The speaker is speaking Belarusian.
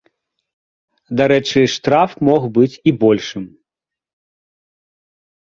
Дарэчы, штраф мог быць і большым.